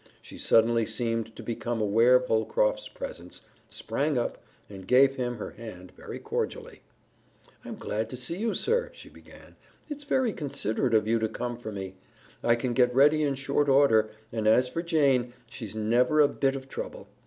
She suddenly seemed to become aware of Holcroft's presence, sprang up, and gave him her hand very cordially. "I'm glad to see you, sir," she began. "It's very considerate of you to come for me. I can get ready in short order, and as for Jane, she's never a bit of trouble.